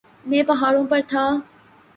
. میں پہاڑوں پر تھا.